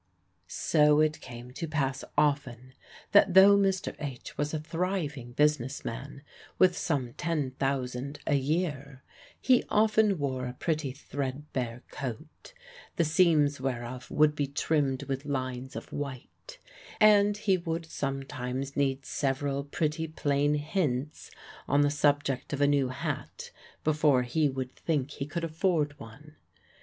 So it came to pass often, that though Mr. H. was a thriving business man, with some ten thousand a year, he often wore a pretty threadbare coat, the seams whereof would be trimmed with lines of white; and he would sometimes need several pretty plain hints on the subject of a new hat before he would think he could afford one.